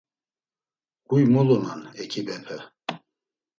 Huy mulunan ekibepe.